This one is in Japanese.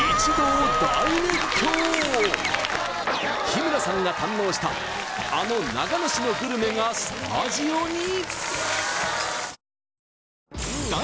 日村さんが堪能したあの長野市のグルメがスタジオに！